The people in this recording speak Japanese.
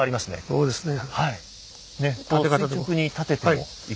そうですね。